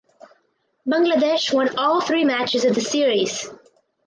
Bangladesh won all three matches of the series.